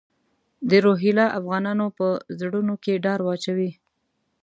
د روهیله افغانانو په زړونو کې ډار واچوي.